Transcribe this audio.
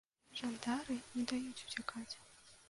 Жандары не даюць уцякаць.